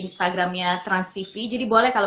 instagramnya transtv jadi boleh kalau